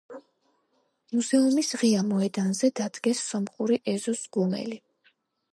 მუზეუმის ღია მოედანზე დადგეს სომხური ეზოს ღუმელი.